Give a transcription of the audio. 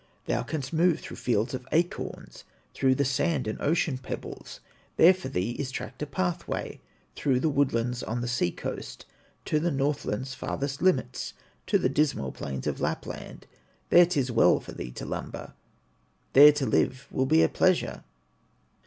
Thou canst move through fields of acorns, Through the sand and ocean pebbles, There for thee is tracked a pathway, Through the woodlands on the sea coast, To the Northland's farthest limits, To the dismal plains of Lapland, There 'tis well for thee to lumber, There to live will be a pleasure.